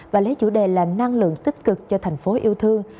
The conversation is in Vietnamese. và lấy chủ đề là năng lượng tích cực cho thành phố yêu thương